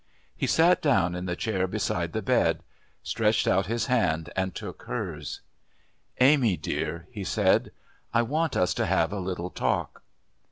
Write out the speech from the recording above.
He sat down in the chair beside the bed, stretched out his hand, and took hers. "Amy, dear," he said, "I want us to have a little talk."